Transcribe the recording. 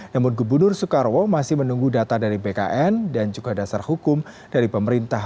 namun gubernur soekarwo masih menunggu data dari bkn dan juga dasar hukum dari pemerintah